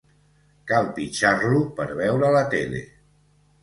Cal pitjar-lo per veure la tele.